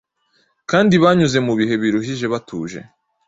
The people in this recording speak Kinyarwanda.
kandi banyuze mu bihe biruhije batuje.